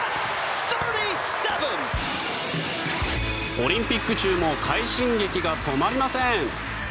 オリンピック中も快進撃が止まりません。